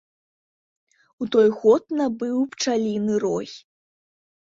У той год набыў пчаліны рой.